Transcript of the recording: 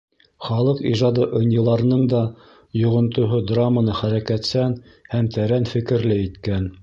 Халыҡ ижады ынйыларының да йоғонтоһо драманы хәрәкәтсән һәм тәрән фекерле иткән.